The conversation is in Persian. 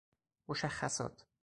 مشخصات